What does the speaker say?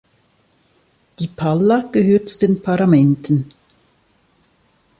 Die Palla gehört zu den Paramenten.